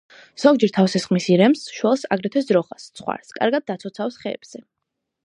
ზოგჯერ თავს ესხმის ირემს, შველს, აგრეთვე ძროხას, ცხვარს; კარგად დაცოცავს ხეებზე.